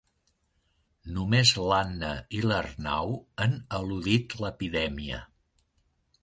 Només l'Anna i l'Arnau han eludit l'epidèmia.